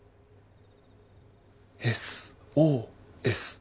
ＳＯＳ！